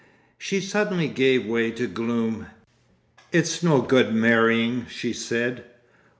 She suddenly gave way to gloom. "It's no good marrying" she said.